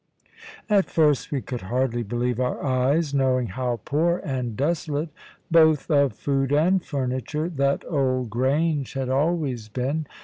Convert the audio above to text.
At first we could hardly believe our eyes, knowing how poor and desolate, both of food and furniture, that old grange had always been.